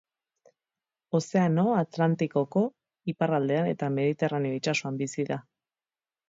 Ozeano Atlantikoko iparraldean eta Mediterraneo itsasoan bizi da.